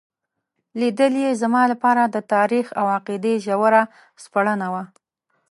لیدل یې زما لپاره د تاریخ او عقیدې ژوره سپړنه وه.